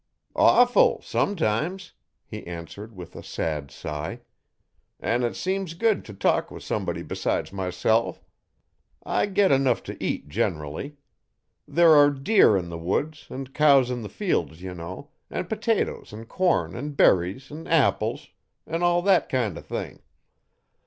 'Awful sometimes,' he answered with a sad sigh, 'an' it seems good t' talk with somebody besides myself. I get enough to eat generally. There are deer in the woods an' cows in the fields, ye know, an' potatoes an' corn an' berries an' apples, an' all thet kind o' thing.